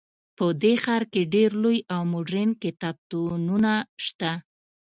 په دې ښار کې ډیر لوی او مدرن کتابتونونه شته